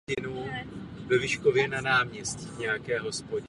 Tím opustí svůj atom a pohybuje se jako volný elektron prostorem krystalové mřížky.